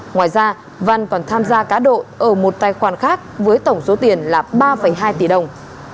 ngoài ra văn còn tham gia cá độ ở một tài khoản khác với tổng số tiền là ba hai tỷ đồng